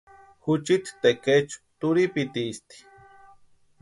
Juchiti tekechu turhipitiisti.